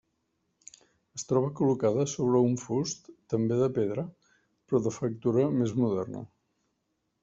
Es troba col·locada sobre un fust també de pedra però de factura més moderna.